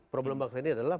problem bangsa ini adalah